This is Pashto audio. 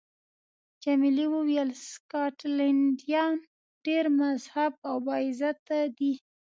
جميلې وويل: سکاټلنډیان ډېر مهذب او با عزته دي.